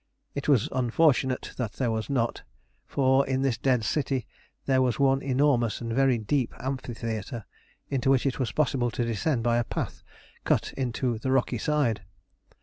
It was unfortunate that there was not, for in this dead city there was one enormous and very deep amphitheatre, into which it was possible to descend by a path cut in the rocky side.